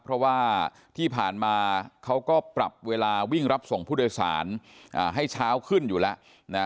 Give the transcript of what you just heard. เพราะว่าที่ผ่านมาเขาก็ปรับเวลาวิ่งรับส่งผู้โดยสารให้เช้าขึ้นอยู่แล้วนะ